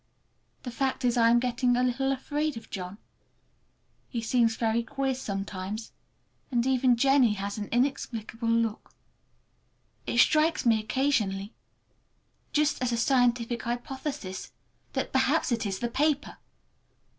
The fact is, I am getting a little afraid of John. He seems very queer sometimes, and even Jennie has an inexplicable look. It strikes me occasionally, just as a scientific hypothesis, that perhaps it is the paper!